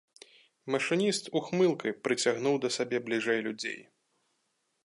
Машыніст ухмылкай прыцягнуў да сябе бліжэй людзей.